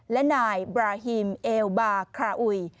และนายบราฮิมเอลบาคาอุย